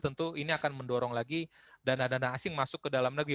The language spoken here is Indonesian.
tentu ini akan mendorong lagi dana dana asing masuk ke dalam negeri